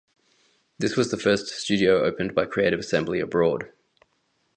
This was the first studio opened by Creative Assembly abroad.